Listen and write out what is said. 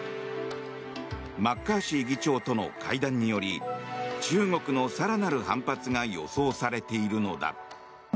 マッカーシー議長との会談により中国の更なる反発が予想されているのだ。